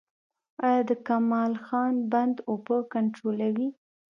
آیا د کمال خان بند اوبه کنټرولوي؟